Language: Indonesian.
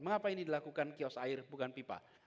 mengapa ini dilakukan kios air bukan pipa